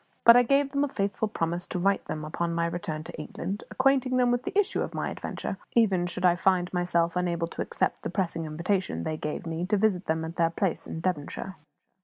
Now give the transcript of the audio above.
But I gave them a faithful promise to write to them on my return to England, acquainting them with the issue of my adventure, even should I find myself unable to accept the pressing invitation they gave me to visit them at their place in Devonshire.